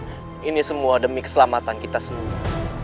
dan ini semua demi keselamatan kita semua